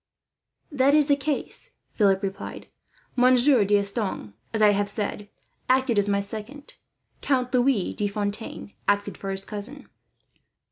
"That is the case," Philip replied. "Monsieur D'Estanges, as I have said, acted as my second. Count Louis de Fontaine acted for his cousin."